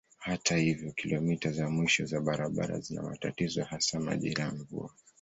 Hata hivyo kilomita za mwisho za barabara zina matatizo hasa majira ya mvua.